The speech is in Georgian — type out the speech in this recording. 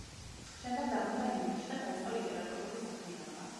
შემდეგ დაბრუნდა ინგლისში და დაიწყო ლიტერატურული საქმიანობა.